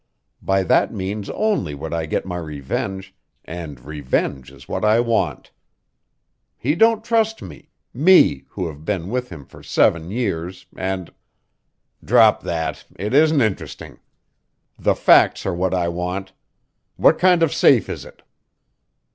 By that means only would I get my revenge, and revenge is what I want. He don't trust me, me who have been with him for seven years and " "Drop that, it isn't interesting. The facts are what I want. What kind of safe is it?"